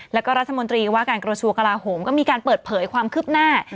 แล้วก็รัฐมนตรีว่าการกระทรวงกลาโหมก็มีการเปิดเผยความคืบหน้า